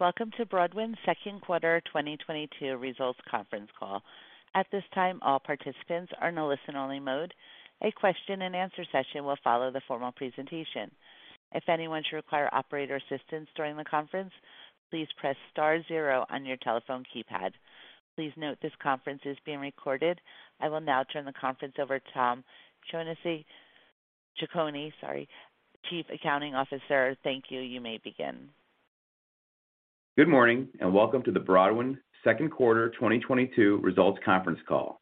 Welcome to Broadwind's Q2 2022 results conference call. At this time, all participants are in a listen-only mode. A question-and-answer session will follow the formal presentation. If anyone should require operator assistance during the conference, please press star zero on your telephone keypad. Please note this conference is being recorded. I will now turn the conference over to Tom Ciccone, sorry, Chief Accounting Officer. Thank you. You may begin. Good morning, and welcome to the Broadwind Q2 2022 results conference call.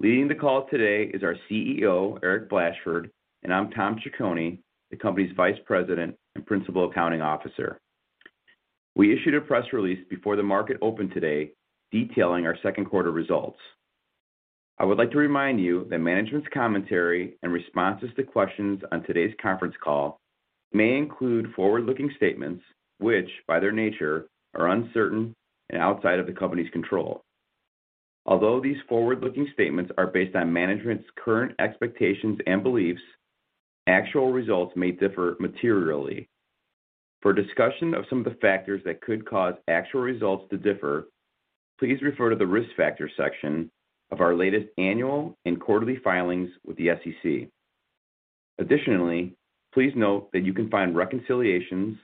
Leading the call today is our CEO, Eric Blashford, and I'm Tom Ciccone, the company's Vice President and Principal Accounting Officer. We issued a press release before the market opened today detailing our Q2 results. I would like to remind you that management's commentary and responses to questions on today's conference call may include forward-looking statements which, by their nature, are uncertain and outside of the company's control. Although these forward-looking statements are based on management's current expectations and beliefs, actual results may differ materially. For a discussion of some of the factors that could cause actual results to differ, please refer to the Risk Factors section of our latest annual and quarterly filings with the SEC. Additionally, please note that you can find reconciliations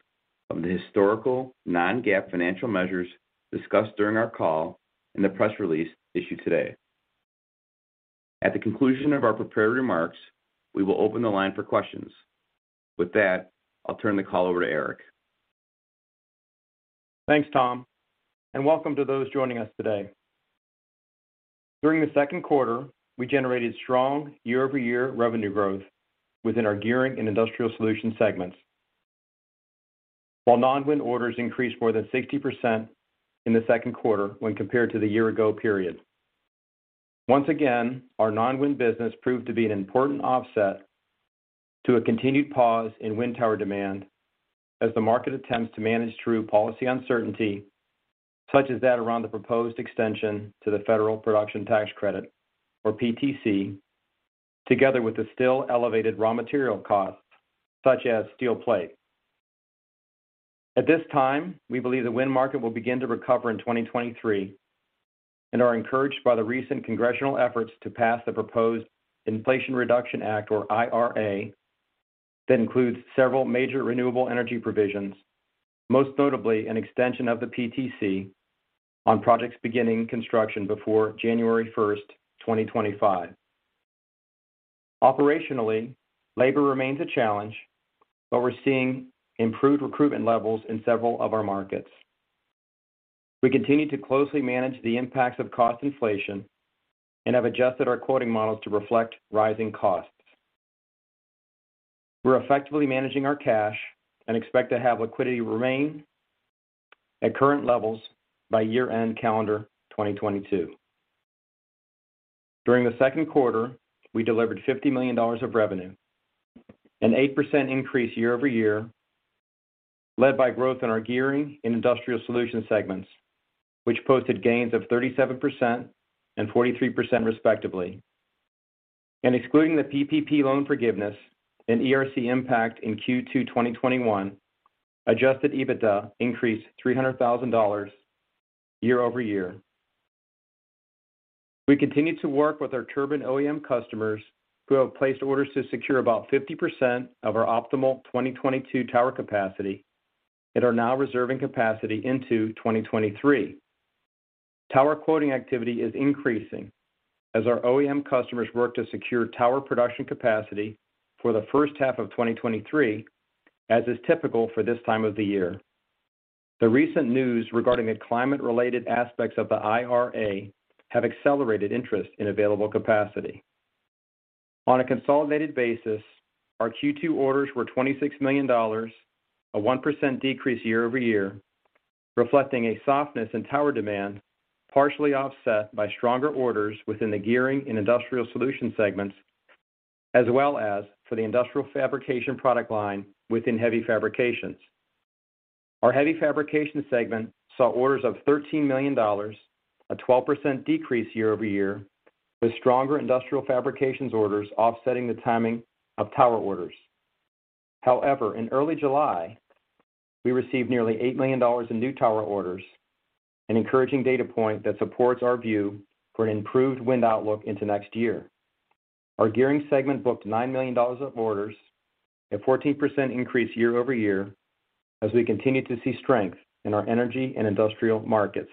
of the historical non-GAAP financial measures discussed during our call in the press release issued today. At the conclusion of our prepared remarks, we will open the line for questions. With that, I'll turn the call over to Eric. Thanks, Tom, and welcome to those joining us today. During the Q2, we generated strong year-over-year revenue growth within our Gearing and Industrial Solutions segments. While non-wind orders increased more than 60% in the Q2 when compared to the year-ago period. Once again, our non-wind business proved to be an important offset to a continued pause in wind tower demand as the market attempts to manage through policy uncertainty, such as that around the proposed extension to the federal production tax credit, or PTC, together with the still elevated raw material costs, such as steel plate. At this time, we believe the wind market will begin to recover in 2023 and are encouraged by the recent congressional efforts to pass the proposed Inflation Reduction Act, or IRA, that includes several major renewable energy provisions, most notably an extension of the PTC on projects beginning construction before January 1st, 2025. Operationally, labor remains a challenge, but we're seeing improved recruitment levels in several of our markets. We continue to closely manage the impacts of cost inflation and have adjusted our quoting models to reflect rising costs. We're effectively managing our cash and expect to have liquidity remain at current levels by year-end calendar 2022. During the Q2, we delivered $50 million of revenue, an 8% increase year-over-year, led by growth in our Gearing and Industrial Solutions segments, which posted gains of 37% and 43% respectively. Excluding the PPP loan forgiveness and ERC impact in Q2 2021, adjusted EBITDA increased $300,000 year-over-year. We continue to work with our turbine OEM customers who have placed orders to secure about 50% of our optimal 2022 tower capacity and are now reserving capacity into 2023. Tower quoting activity is increasing as our OEM customers work to secure tower production capacity for the H1 of 2023, as is typical for this time of the year. The recent news regarding the climate-related aspects of the IRA have accelerated interest in available capacity. On a consolidated basis, our Q2 orders were $26 million, a 1% decrease year-over-year, reflecting a softness in tower demand, partially offset by stronger orders within the Gearing and Industrial Solutions segments, as well as for the industrial fabrication product line within Heavy Fabrications. Our Heavy Fabrications segment saw orders of $13 million, a 12% decrease year-over-year, with stronger Industrial Fabrications orders offsetting the timing of tower orders. However, in early July, we received nearly $8 million in new tower orders, an encouraging data point that supports our view for an improved wind outlook into next year. Our Gearing segment booked $9 million of orders, a 14% increase year-over-year, as we continue to see strength in our energy and industrial markets.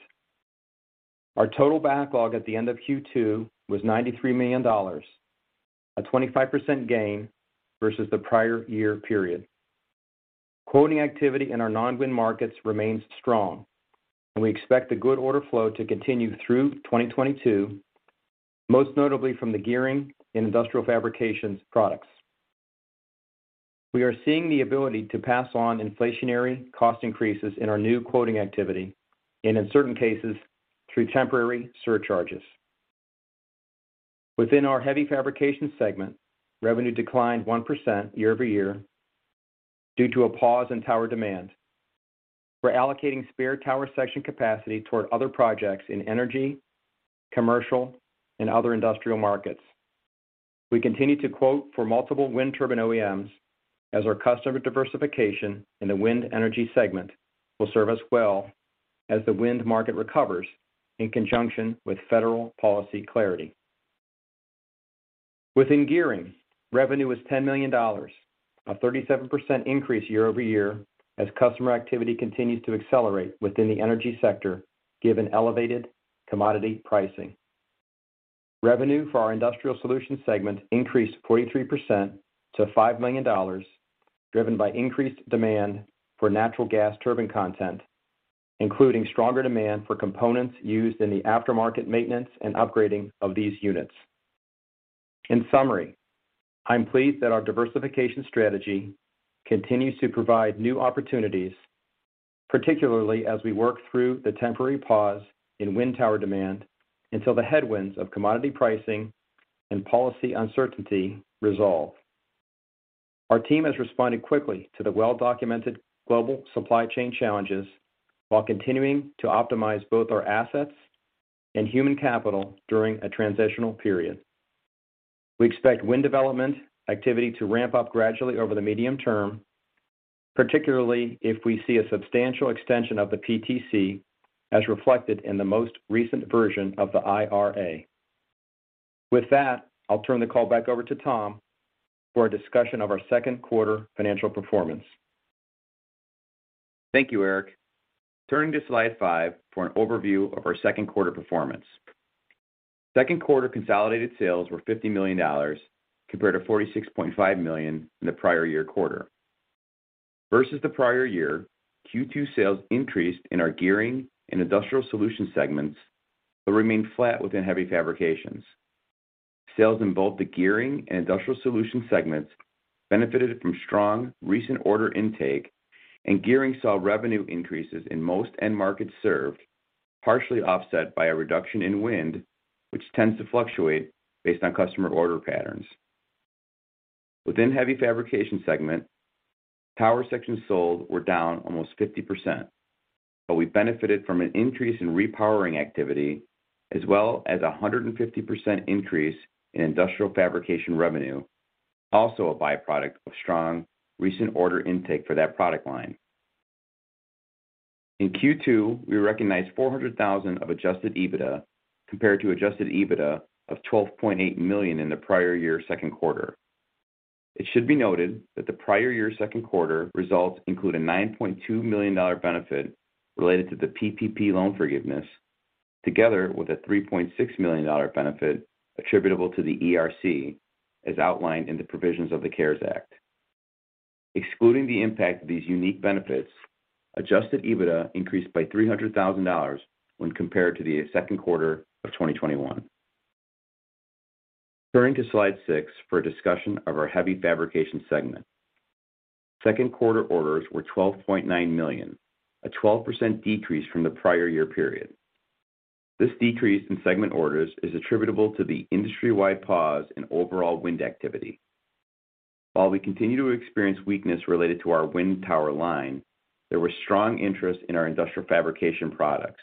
Our total backlog at the end of Q2 was $93 million, a 25% gain versus the prior year period. Quoting activity in our non-wind markets remains strong, and we expect the good order flow to continue through 2022, most notably from the Gearing and Industrial Fabrications products. We are seeing the ability to pass on inflationary cost increases in our new quoting activity and in certain cases through temporary surcharges. Within our Heavy Fabrications segment, revenue declined 1% year-over-year due to a pause in tower demand. We're allocating spare tower section capacity toward other projects in energy, commercial, and other industrial markets. We continue to quote for multiple wind turbine OEMs as our customer diversification in the wind energy segment will serve us well as the wind market recovers in conjunction with federal policy clarity. Within Gearing, revenue was $10 million, a 37% increase year-over-year as customer activity continues to accelerate within the energy sector given elevated commodity pricing. Revenue for our Industrial Solutions segment increased 43% to $5 million, driven by increased demand for natural gas turbine content, including stronger demand for components used in the aftermarket maintenance and upgrading of these units. In summary, I'm pleased that our diversification strategy continues to provide new opportunities, particularly as we work through the temporary pause in wind tower demand until the headwinds of commodity pricing and policy uncertainty resolve. Our team has responded quickly to the well-documented global supply chain challenges while continuing to optimize both our assets and human capital during a transitional period. We expect wind development activity to ramp up gradually over the medium term, particularly if we see a substantial extension of the PTC as reflected in the most recent version of the IRA. With that, I'll turn the call back over to Tom for a discussion of our Q2 financial performance. Thank you, Eric. Turning to slide five for an overview of our Q2 performance. Q2 consolidated sales were $50 million compared to $46.5 million in the prior year quarter. Versus the prior year, Q2 sales increased in our Gearing and Industrial Solutions segments, but remained flat within Heavy Fabrications. Sales in both the Gearing and Industrial Solutions segments benefited from strong recent order intake, and Gearing saw revenue increases in most end markets served, partially offset by a reduction in wind, which tends to fluctuate based on customer order patterns. Within Heavy Fabrications segment, power sections sold were down almost 50%, but we benefited from an increase in repowering activity as well as a 150% increase in industrial fabrication revenue, also a byproduct of strong recent order intake for that product line. In Q2, we recognized $400,000 of adjusted EBITDA compared to adjusted EBITDA of $12.8 million in the prior year Q2. It should be noted that the prior year Q2 results include a $9.2 million benefit related to the PPP loan forgiveness, together with a $3.6 million benefit attributable to the ERC, as outlined in the provisions of the CARES Act. Excluding the impact of these unique benefits, adjusted EBITDA increased by $300,000 when compared to the Q2 of 2021. Turning to slide six for a discussion of our Heavy Fabrications segment. Q2 orders were $12.9 million, a 12% decrease from the prior year period. This decrease in segment orders is attributable to the industry-wide pause in overall wind activity. While we continue to experience weakness related to our wind tower line, there was strong interest in our industrial fabrication products.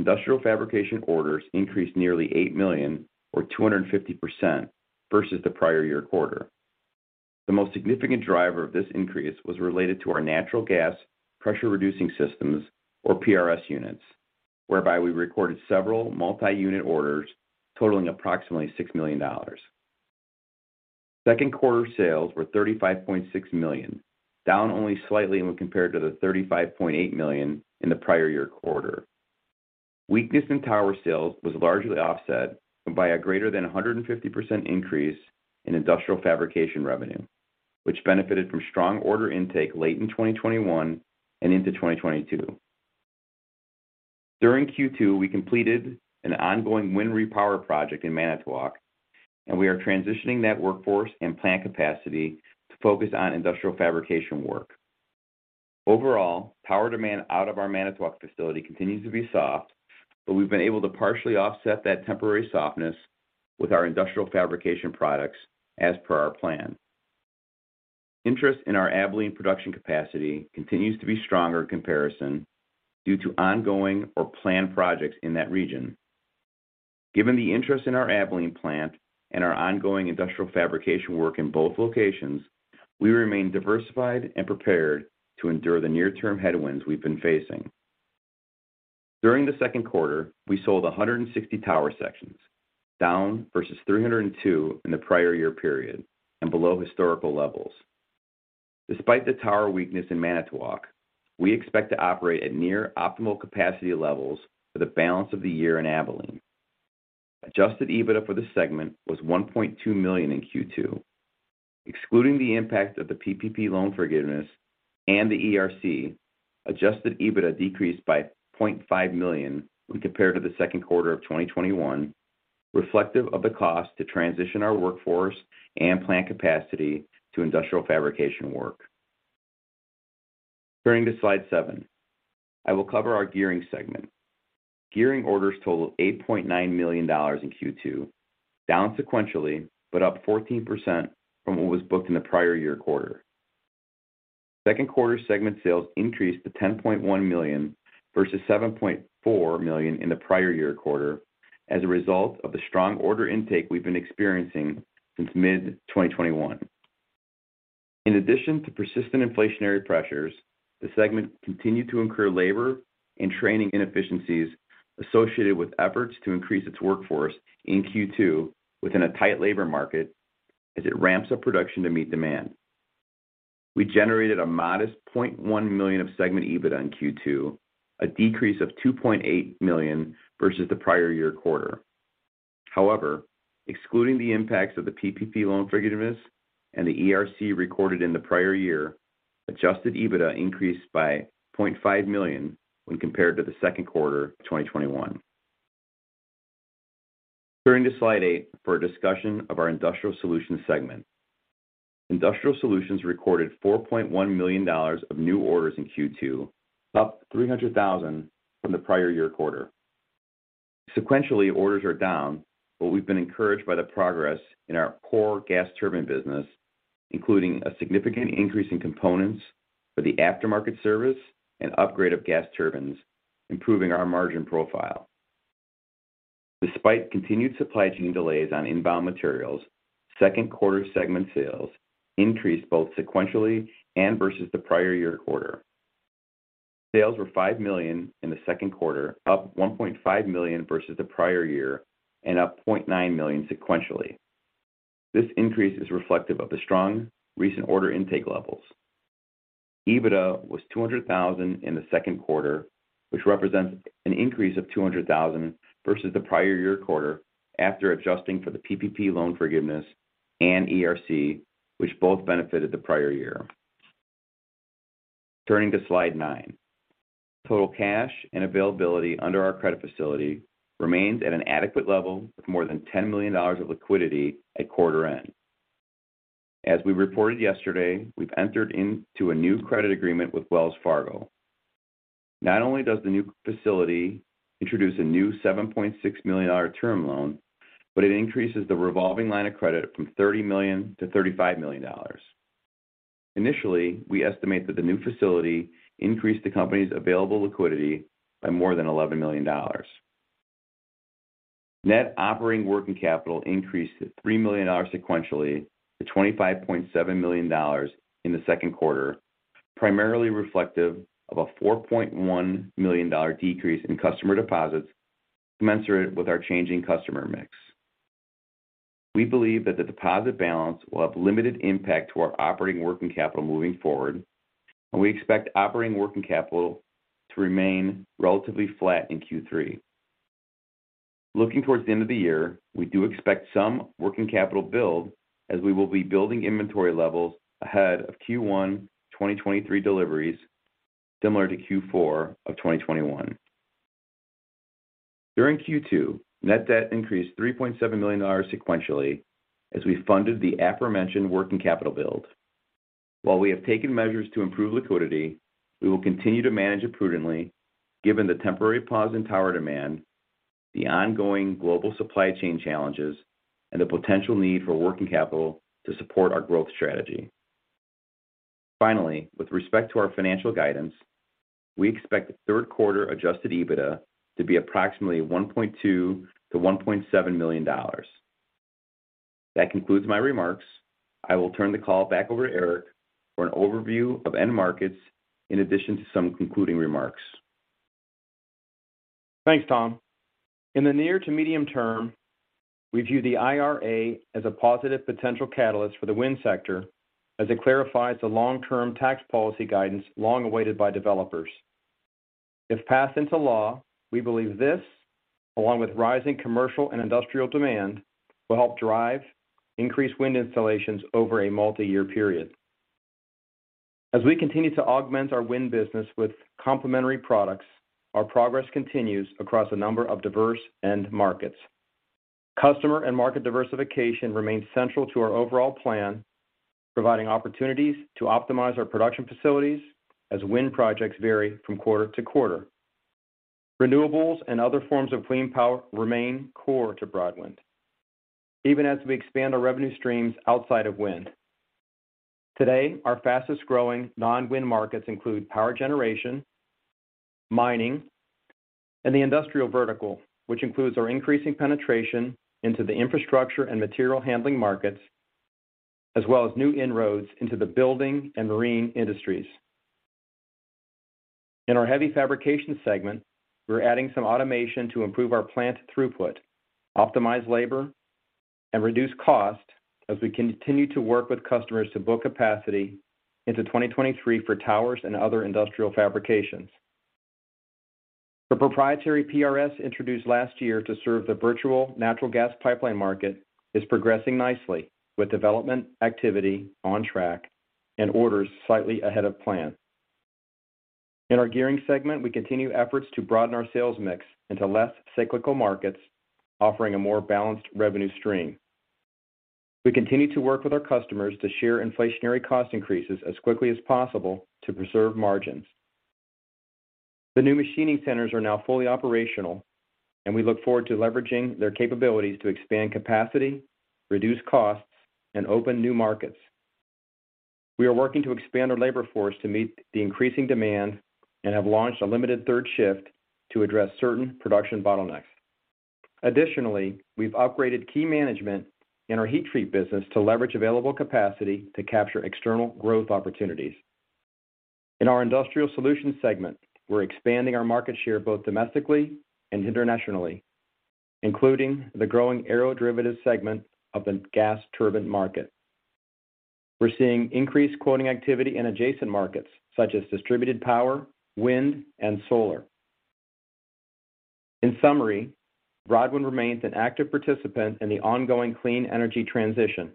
Industrial fabrication orders increased nearly $8 million or 250% versus the prior year quarter. The most significant driver of this increase was related to our natural gas pressure reducing systems or PRS units, whereby we recorded several multi-unit orders totaling approximately $6 million. Q2 sales were $35.6 million, down only slightly when compared to the $35.8 million in the prior year quarter. Weakness in tower sales was largely offset by a greater than 150% increase in industrial fabrication revenue, which benefited from strong order intake late in 2021 and into 2022. During Q2, we completed an ongoing wind repower project in Manitowoc, and we are transitioning that workforce and plant capacity to focus on industrial fabrication work. Overall, power demand out of our Manitowoc facility continues to be soft, but we've been able to partially offset that temporary softness with our industrial fabrication products as per our plan. Interest in our Abilene production capacity continues to be stronger in comparison due to ongoing or planned projects in that region. Given the interest in our Abilene plant and our ongoing industrial fabrication work in both locations, we remain diversified and prepared to endure the near-term headwinds we've been facing. During the Q2, we sold 160 tower sections, down versus 302 in the prior year period and below historical levels. Despite the tower weakness in Manitowoc, we expect to operate at near optimal capacity levels for the balance of the year in Abilene. Adjusted EBITDA for the segment was $1.2 million in Q2. Excluding the impact of the PPP loan forgiveness and the ERC, adjusted EBITDA decreased by $0.5 million when compared to the Q2 of 2021, reflective of the cost to transition our workforce and plant capacity to industrial fabrication work. Turning to slide seven, I will cover our Gearing segment. Gearing orders totaled $8.9 million in Q2, down sequentially, but up 14% from what was booked in the prior year quarter. Q2 segment sales increased to $10.1 million versus $7.4 million in the prior year quarter as a result of the strong order intake we've been experiencing since mid-2021. In addition to persistent inflationary pressures, the segment continued to incur labor and training inefficiencies associated with efforts to increase its workforce in Q2 within a tight labor market as it ramps up production to meet demand. We generated a modest $0.1 million of segment EBITDA in Q2, a decrease of $2.8 million versus the prior year quarter. However, excluding the impacts of the PPP loan forgiveness and the ERC recorded in the prior year, adjusted EBITDA increased by $0.5 million when compared to the Q2 of 2021. Turning to slide 8 for a discussion of our Industrial Solutions segment. Industrial Solutions recorded $4.1 million of new orders in Q2, up $300,000 from the prior year quarter. Sequentially orders are down, but we've been encouraged by the progress in our core gas turbine business, including a significant increase in components for the aftermarket service and upgrade of gas turbines, improving our margin profile. Despite continued supply chain delays on inbound materials, Q2 segment sales increased both sequentially and versus the prior year quarter. Sales were $5 million in the Q2, up $1.5 million versus the prior year, and up $0.9 million sequentially. This increase is reflective of the strong recent order intake levels. EBITDA was $200,000 in the Q2, which represents an increase of $200,000 versus the prior year quarter after adjusting for the PPP loan forgiveness and ERC, which both benefited the prior year. Turning to slide nine. Total cash and availability under our credit facility remains at an adequate level of more than $10 million of liquidity at quarter end. As we reported yesterday, we've entered into a new credit agreement with Wells Fargo. Not only does the new facility introduce a new $7.6 million term loan, but it increases the revolving line of credit from $30 million-$35 million. Initially, we estimate that the new facility increased the company's available liquidity by more than $11 million. Net operating working capital increased by $3 million sequentially to $25.7 million in the Q2, primarily reflective of a $4.1 million decrease in customer deposits commensurate with our changing customer mix. We believe that the deposit balance will have limited impact to our operating working capital moving forward, and we expect operating working capital to remain relatively flat in Q3. Looking towards the end of the year, we do expect some working capital build as we will be building inventory levels ahead of Q1 2023 deliveries, similar to Q4 of 2021. During Q2, net debt increased $3.7 million sequentially as we funded the aforementioned working capital build. While we have taken measures to improve liquidity, we will continue to manage it prudently given the temporary pause in tower demand, the ongoing global supply chain challenges, and the potential need for working capital to support our growth strategy. Finally, with respect to our financial guidance, we expect the third quarter adjusted EBITDA to be approximately $1.2 million-$1.7 million. That concludes my remarks. I will turn the call back over to Eric for an overview of end markets in addition to some concluding remarks. Thanks, Tom. In the near to medium term, we view the IRA as a positive potential catalyst for the wind sector as it clarifies the long-term tax policy guidance long awaited by developers. If passed into law, we believe this, along with rising commercial and industrial demand, will help drive increased wind installations over a multi-year period. As we continue to augment our wind business with complementary products, our progress continues across a number of diverse end markets. Customer and market diversification remains central to our overall plan, providing opportunities to optimize our production facilities as wind projects vary from quarter to quarter. Renewables and other forms of clean power remain core to Broadwind, even as we expand our revenue streams outside of wind. Today, our fastest-growing non-wind markets include power generation, mining, and the industrial vertical, which includes our increasing penetration into the infrastructure and material handling markets, as well as new inroads into the building and marine industries. In our Heavy Fabrications segment, we're adding some automation to improve our plant throughput, optimize labor, and reduce cost as we continue to work with customers to book capacity into 2023 for towers and other industrial fabrications. The proprietary PRS introduced last year to serve the virtual natural gas pipeline market is progressing nicely with development activity on track and orders slightly ahead of plan. In our Gearing segment, we continue efforts to broaden our sales mix into less cyclical markets, offering a more balanced revenue stream. We continue to work with our customers to share inflationary cost increases as quickly as possible to preserve margins. The new machining centers are now fully operational, and we look forward to leveraging their capabilities to expand capacity, reduce costs, and open new markets. We are working to expand our labor force to meet the increasing demand and have launched a limited third shift to address certain production bottlenecks. Additionally, we've upgraded key management in our heat treat business to leverage available capacity to capture external growth opportunities. In our Industrial Solutions segment, we're expanding our market share both domestically and internationally, including the growing aeroderivative segment of the gas turbine market. We're seeing increased quoting activity in adjacent markets such as distributed power, wind, and solar. In summary, Broadwind remains an active participant in the ongoing clean energy transition.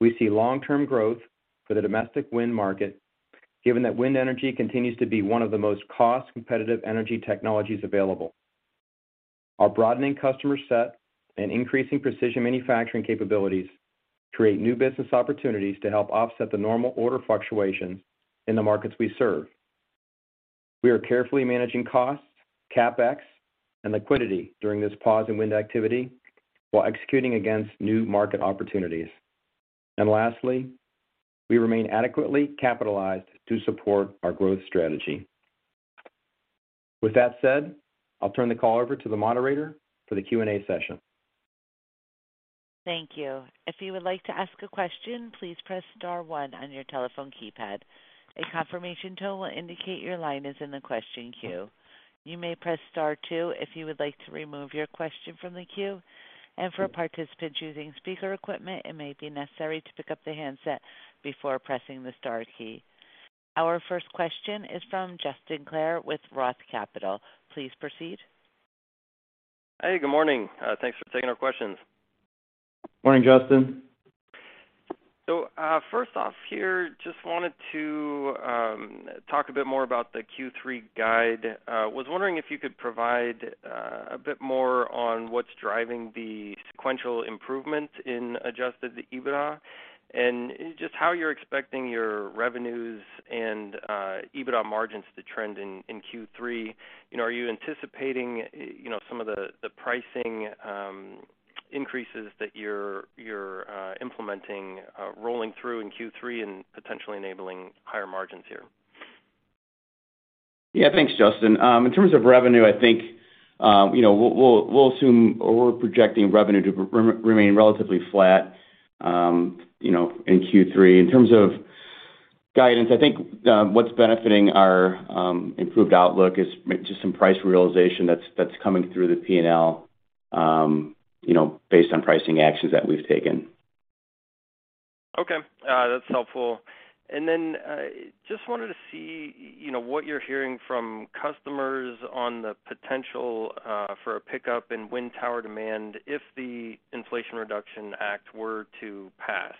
We see long-term growth for the domestic wind market, given that wind energy continues to be one of the most cost-competitive energy technologies available. Our broadening customer set and increasing precision manufacturing capabilities create new business opportunities to help offset the normal order fluctuations in the markets we serve. We are carefully managing costs, CapEx, and liquidity during this pause in wind activity while executing against new market opportunities. Lastly, we remain adequately capitalized to support our growth strategy. With that said, I'll turn the call over to the moderator for the Q&A session. Thank you. If you would like to ask a question, please press star one on your telephone keypad. A confirmation tone will indicate your line is in the question queue. You may press star two if you would like to remove your question from the queue. For participants using speaker equipment, it may be necessary to pick up the handset before pressing the star key. Our first question is from Justin Clare with ROTH Capital. Please proceed. Hey, good morning. Thanks for taking our questions. Morning, Justin. First off here, just wanted to talk a bit more about the Q3 guide. Was wondering if you could provide a bit more on what's driving the sequential improvement in adjusted EBITDA and just how you're expecting your revenues and EBITDA margins to trend in Q3. You know, are you anticipating, you know, some of the pricing increases that you're implementing rolling through in Q3 and potentially enabling higher margins here? Yeah. Thanks, Justin. In terms of revenue, I think, you know, we'll assume or we're projecting revenue to remain relatively flat, you know, in Q3. In terms of guidance, I think, what's benefiting our improved outlook is just some price realization that's coming through the P&L, you know, based on pricing actions that we've taken. Okay, that's helpful. Then, just wanted to see, you know, what you're hearing from customers on the potential for a pickup in wind tower demand if the Inflation Reduction Act were to pass.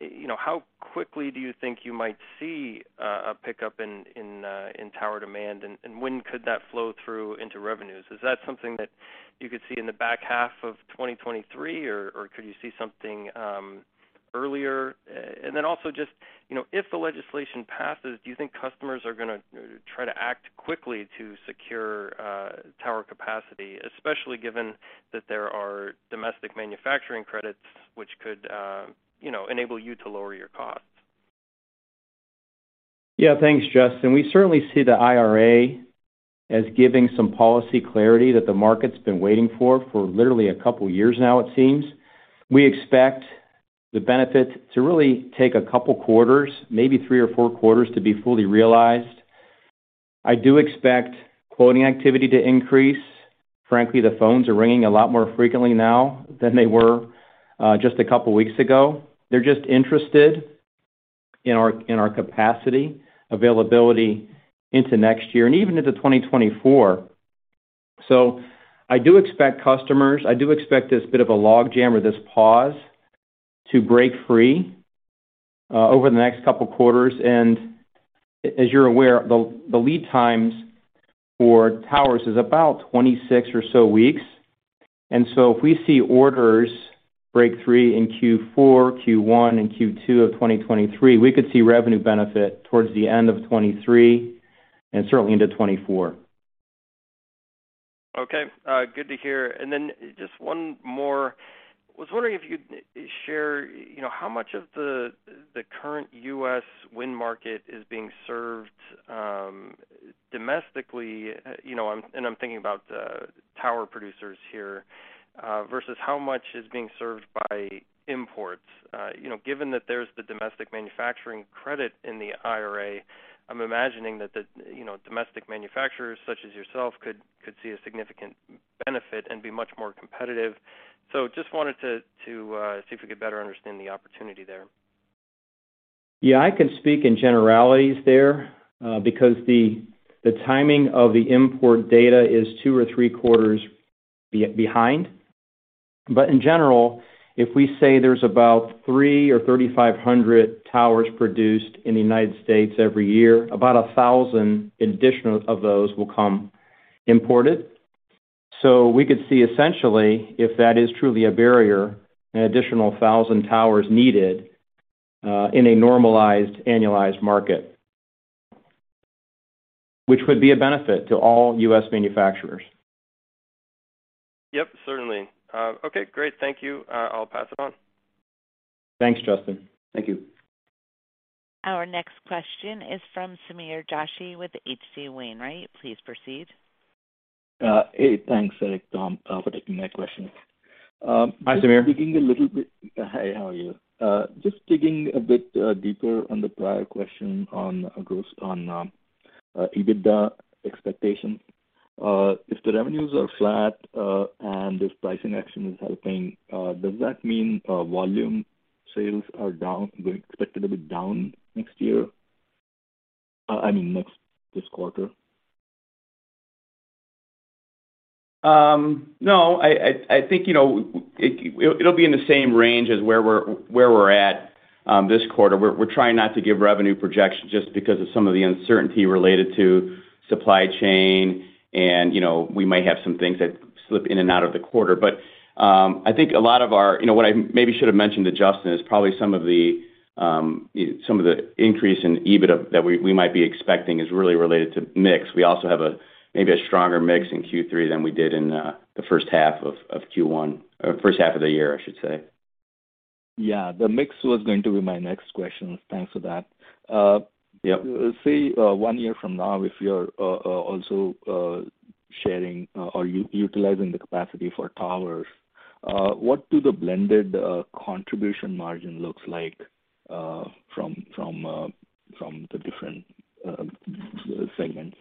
You know, how quickly do you think you might see a pickup in tower demand, and when could that flow through into revenues? Is that something that you could see in the back half of 2023, or could you see something earlier? Just, you know, if the legislation passes, do you think customers are going to try to act quickly to secure tower capacity, especially given that there are domestic manufacturing credits which could, you know, enable you to lower your costs? Yeah. Thanks, Justin. We certainly see the IRA as giving some policy clarity that the market's been waiting for for literally a couple years now, it seems. We expect the benefit to really take a couple quarters, maybe three or four quarters, to be fully realized. I do expect quoting activity to increase. Frankly, the phones are ringing a lot more frequently now than they were just a couple weeks ago. They're just interested in our capacity availability into next year and even into 2024. I do expect this bit of a logjam or this pause to break free over the next couple quarters. As you're aware, the lead times for towers is about 26 or so weeks. If we see orders break free in Q4, Q1, and Q2 of 2023, we could see revenue benefit towards the end of 2023 and certainly into 2024. Okay. Good to hear. Then just one more. Was wondering if you'd share, you know, how much of the current U.S. wind market is being served domestically, you know, and I'm thinking about tower producers here versus how much is being served by imports. You know, given that there's the domestic manufacturing credit in the IRA, I'm imagining that the, you know, domestic manufacturers such as yourself could see a significant benefit and be much more competitive. Just wanted to see if we could better understand the opportunity there. Yeah. I can speak in generalities there, because the timing of the import data is two or three quarters behind. In general, if we say there's about 3,000 or 3,500 towers produced in the United States every year, about 1,000 additional of those will come imported. We could see essentially if that is truly a barrier, an additional 1,000 towers needed, in a normalized annualized market. Which would be a benefit to all U.S. manufacturers. Yep, certainly. Okay, great. Thank you. I'll pass it on. Thanks, Justin. Thank you. Our next question is from Sameer Joshi with H.C. Wainwright. Please proceed. Hey, thanks, Eric, Tom, for taking my questions. Hi, Sameer. Just digging a little bit. Hey, how are you? Just digging a bit deeper on the prior question on EBITDA expectations. If the revenues are flat and this pricing action is helping, does that mean volume sales are down, they're expected to be down next year? I mean, this quarter? No, I think, you know, it'll be in the same range as where we're at this quarter. We're trying not to give revenue projections just because of some of the uncertainty related to supply chain and, you know, we might have some things that slip in and out of the quarter. I think a lot of our you know, what I maybe should have mentioned to Justin is probably some of the increase in EBITDA that we might be expecting is really related to mix. We also have maybe a stronger mix in Q3 than we did in the H1 of Q1. H1 of the year, I should say. Yeah. The mix was going to be my next question. Thanks for that. Yep. Say, one year from now, if you're also sharing or utilizing the capacity for towers, what do the blended contribution margin looks like from the different segments?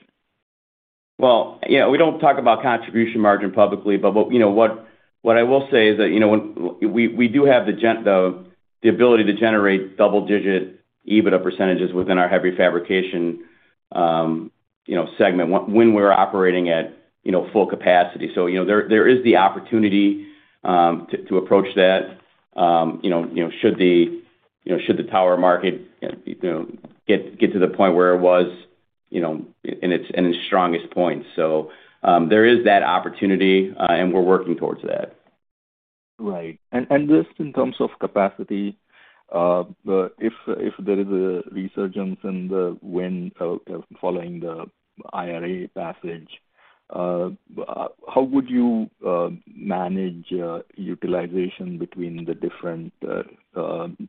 Well, yeah, we don't talk about contribution margin publicly, but what I will say is that, you know, when we do have the ability to generate double-digit EBITDA percentage within our Heavy Fabrications segment when we're operating at full capacity. You know, there is the opportunity to approach that, you know, should the tower market get to the point where it was in its strongest point. There is that opportunity, and we're working towards that. Right. Just in terms of capacity, if there is a resurgence in the wind following the IRA passage, how would you manage utilization between the different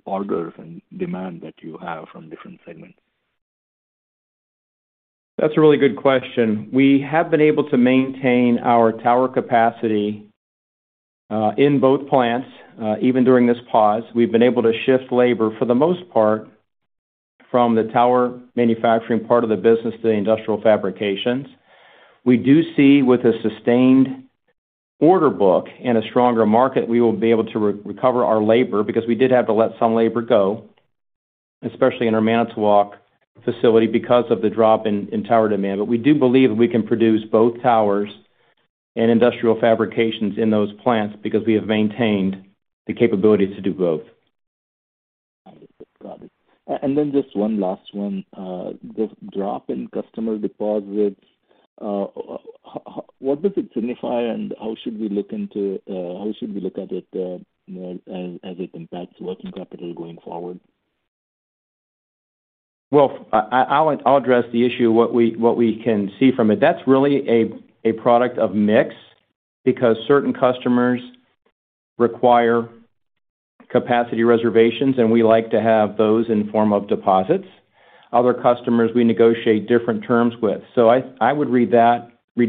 orders and demand that you have from different segments? That's a really good question. We have been able to maintain our tower capacity in both plants even during this pause. We've been able to shift labor, for the most part, from the tower manufacturing part of the business to the industrial fabrications. We do see with a sustained order book and a stronger market, we will be able to recover our labor because we did have to let some labor go, especially in our Manitowoc facility, because of the drop in tower demand. We do believe we can produce both towers and industrial fabrications in those plants because we have maintained the capability to do both. Got it. Just one last one. What does the drop in customer deposits signify, and how should we look at it, you know, as it impacts working capital going forward? Well, I'll address the issue of what we can see from it. That's really a product of mix because certain customers require capacity reservations, and we like to have those in form of deposits. Other customers we negotiate different terms with. I would read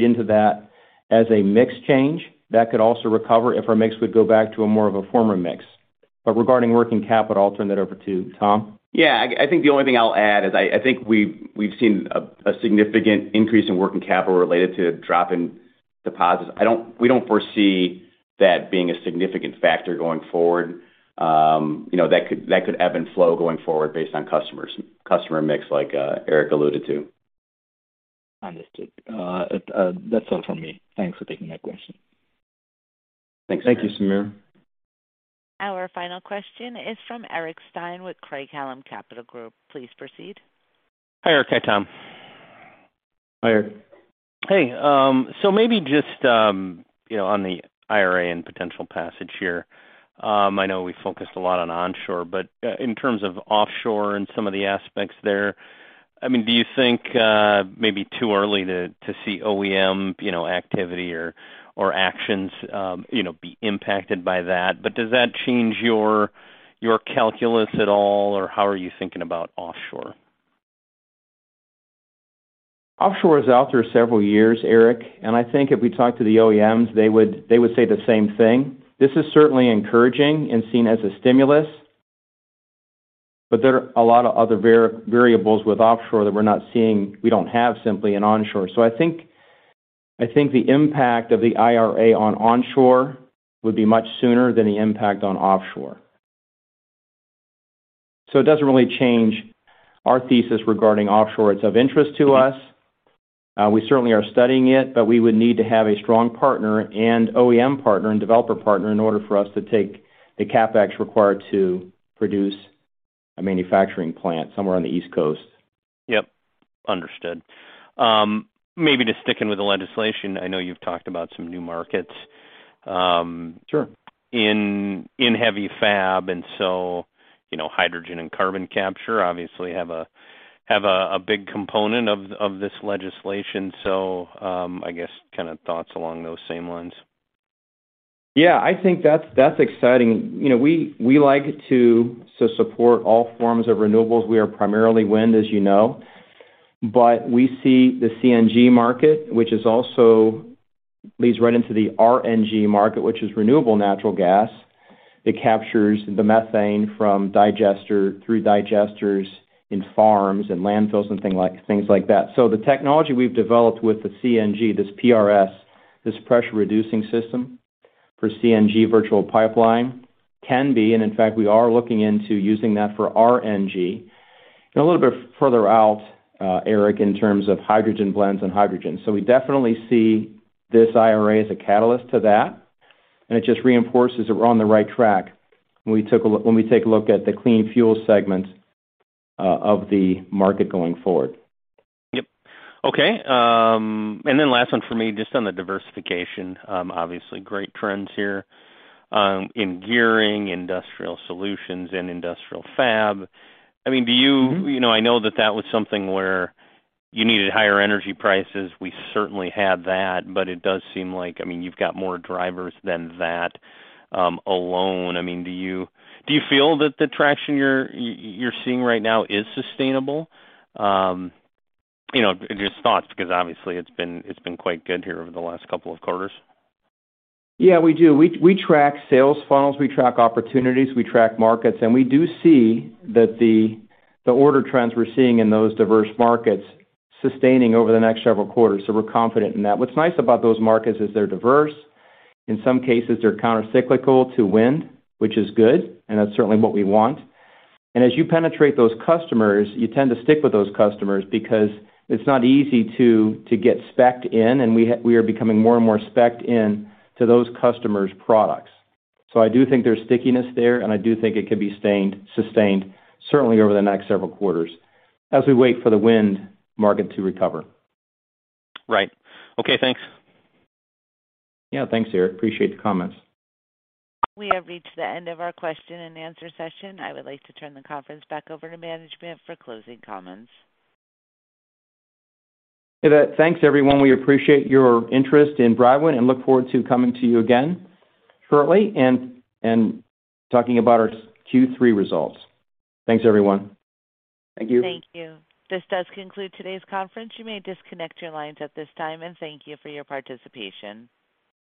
into that as a mix change. That could also recover if our mix would go back to more of a former mix. Regarding working capital, I'll turn that over to Tom. Yeah. I think the only thing I'll add is I think we've seen a significant increase in working capital related to drop in deposits. We don't foresee that being a significant factor going forward. You know, that could ebb and flow going forward based on customers, customer mix like Eric alluded to. Understood. That's all from me. Thanks for taking my question. Thanks, Sameer. Thank you, Sameer. Our final question is from Eric Stine with Craig-Hallum Capital Group. Please proceed. Hi, Eric. Hi, Tom. Hi, Eric. Hey, so maybe just, you know, on the IRA and potential passage here, I know we focused a lot on onshore, but in terms of offshore and some of the aspects there, I mean, do you think maybe too early to see OEM, you know, activity or actions, you know, be impacted by that? Does that change your calculus at all, or how are you thinking about offshore? Offshore is out there several years, Eric, and I think if we talk to the OEMs, they would say the same thing. This is certainly encouraging and seen as a stimulus, but there are a lot of other variables with offshore that we're not seeing. We don't have simply an onshore. I think the impact of the IRA on onshore would be much sooner than the impact on offshore. It doesn't really change our thesis regarding offshore. It's of interest to us. We certainly are studying it, but we would need to have a strong partner and OEM partner and developer partner in order for us to take the CapEx required to produce a manufacturing plant somewhere on the East Coast. Yep. Understood. Maybe just sticking with the legislation, I know you've talked about some new markets. Sure. In heavy fab, and so, you know, hydrogen and carbon capture obviously have a big component of this legislation. I guess kind of thoughts along those same lines. Yeah. I think that's exciting. You know, we like to support all forms of renewables. We are primarily wind, as you know. We see the CNG market, which also leads right into the RNG market, which is renewable natural gas. It captures the methane through digesters in farms and landfills and things like that. The technology we've developed with the CNG, this PRS, this pressure reducing system for CNG virtual pipeline can be, and in fact, we are looking into using that for RNG. A little bit further out, Eric, in terms of hydrogen blends and hydrogen. We definitely see this IRA as a catalyst to that, and it just reinforces that we're on the right track when we take a look at the clean fuel segments of the market going forward. Yep. Okay. Last one for me, just on the diversification, obviously great trends here, in Gearing, Industrial Solutions and Industrial Fab. I mean, do you You know, I know that that was something where you needed higher energy prices. We certainly have that, but it does seem like, I mean, you've got more drivers than that, alone. I mean, do you feel that the traction you're seeing right now is sustainable? You know, just thoughts because obviously it's been quite good here over the last couple of quarters. Yeah, we do. We track sales funnels, we track opportunities, we track markets, and we do see that the order trends we're seeing in those diverse markets sustaining over the next several quarters, so we're confident in that. What's nice about those markets is they're diverse. In some cases, they're countercyclical to wind, which is good, and that's certainly what we want. As you penetrate those customers, you tend to stick with those customers because it's not easy to get specced in, and we are becoming more and more specced in to those customers' products. I do think there's stickiness there, and I do think it could be sustained certainly over the next several quarters as we wait for the wind market to recover. Right. Okay, thanks. Yeah. Thanks, Eric. Appreciate the comments. We have reached the end of our question and answer session. I would like to turn the conference back over to management for closing comments. Okay. Thanks, everyone. We appreciate your interest in Broadwind and look forward to coming to you again shortly and talking about our Q3 results. Thanks, everyone. Thank you. Thank you. This does conclude today's conference. You may disconnect your lines at this time, and thank you for your participation.